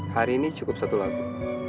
hari ini cukup satu lagu